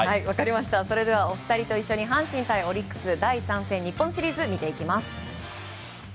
それではお二人と一緒に阪神対オリックス第３戦日本シリーズ見ていきます。